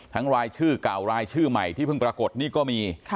ทั้งลายชื่อกล่าวลายชื่อใหม่ที่เพิ่งปรากฎนี้ก็มี